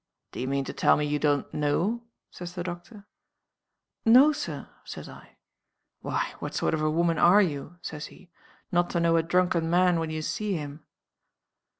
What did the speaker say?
'Do you mean to tell me you don't know?' says the doctor. 'No, Sir,' says I. 'Why what sort of a woman are you,' says he, 'not to know a drunken man when you see him!